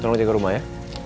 tolong jaga rumah ya